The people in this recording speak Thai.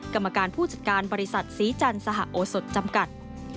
กรรมการผู้จัดการบริษัทศรีจันทร์สหโอสดจำกัด